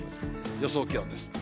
予想気温です。